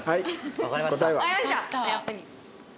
わかりました？